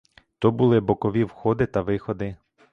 То були бокові входи та виходи.